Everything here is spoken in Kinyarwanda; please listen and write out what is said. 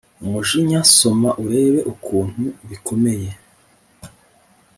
umujinya soma urebe ukuntu bikomeye